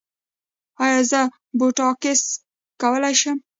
ایا زه بوټاکس کولی شم؟